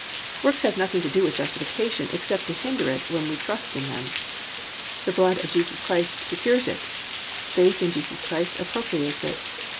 Works have nothing to do with justification except to hinder it when we trust in them. The blood of Jesus Christ secures it, faith in Jesus Christ appropriates it.